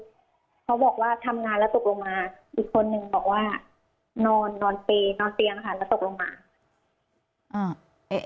อีกคนนึงบอกว่านอนนอนเตียงแล้วตกลงมา